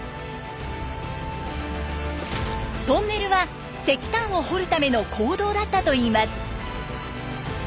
トンネルは石炭を掘るための坑道だったといいます。